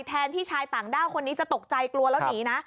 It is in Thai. แทนที่ชายต่างด้าวคนนี้จะตกใจกลัวแล้วหนีนะ